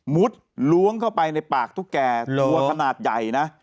ล้วงเข้าไปในปากตุ๊กแก่ตัวขนาดใหญ่นะ